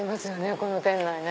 この店内ね。